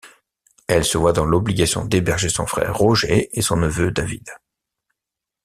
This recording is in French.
Elle se voit dans l'obligation d’héberger son frère Roger et son neveu David.